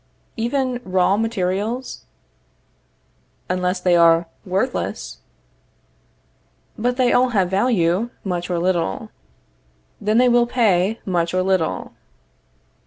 Even raw materials? Unless they are worthless. But they all have value, much or little. Then they will pay much or little.